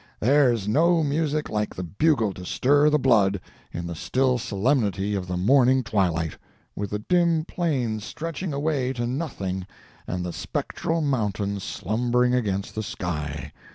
There's no music like the bugle to stir the blood, in the still solemnity of the morning twilight, with the dim plain stretching away to nothing and the spectral mountains slumbering against the sky.